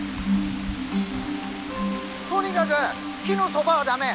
とにかぐ木のそばは駄目。